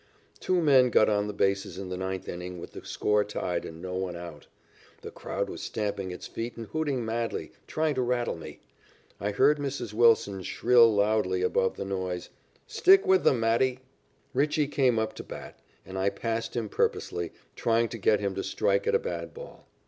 Two men got on the bases in the ninth inning with the score tied and no one out. The crowd was stamping its feet and hooting madly, trying to rattle me. I heard Mrs. Wilson shrill loudly above the noise: "Stick with them, Matty!" Ritchey came up to the bat, and I passed him purposely, trying to get him to strike at a bad ball.